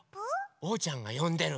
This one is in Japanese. おうちゃんがよんでる。